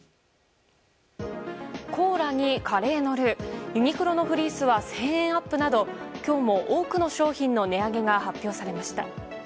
コーラにカレーのルーユニクロのフリースは１０００円アップなど今日も多くの商品の値上げが発表されました。